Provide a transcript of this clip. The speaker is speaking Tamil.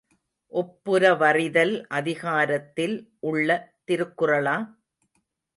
ஒப்புரவறிதல் அதிகாரத்தில் உள்ள திருக்குறளா?